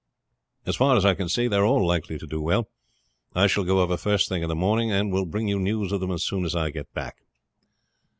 As far as I can see, they are all likely to do well. I shall go over the first thing in the morning, and will bring you news of them as soon as I get back."